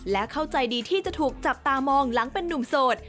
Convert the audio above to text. และเข้าใจดีที่จะถูกจับตามองหลังเป็นนุ่มโสด